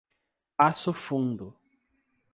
Passo Fundo